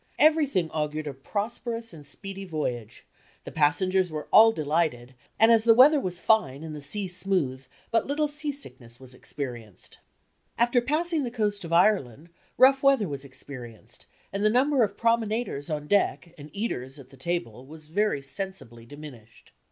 Everything augured a prosperous and speedy voyage, the passengers were all delighted, and as the weather was fine and the sea smooth, but little seasickness was experienced. After passing the coast of Ireland rough weather was experienced, and the number SKETCHES OF TRAVEL of promenaders on deck, and eaters at the table, was very sensibly diminished.